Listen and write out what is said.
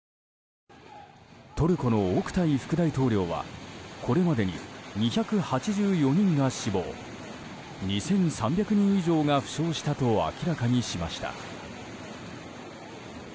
トルコのオクタイ副大統領はこれまでに２８４人が死亡２３００人以上が負傷したと明らかにしました。